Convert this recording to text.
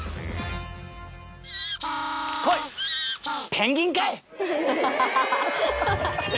ペンギンかい！